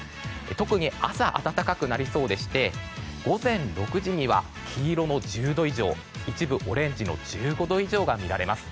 特に朝、暖かくなりそうでして午前６時には黄色の１０度以上一部オレンジの１５度以上が見られます。